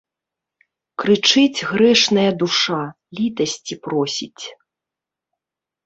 Крычыць грэшная душа, літасці просіць.